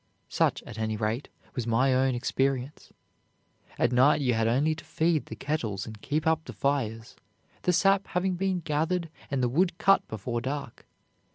Such, at any rate, was my own experience. At night you had only to feed the kettles and keep up the fires, the sap having been gathered and the wood cut before dark.